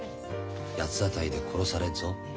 八つ当たりで殺されるぞ。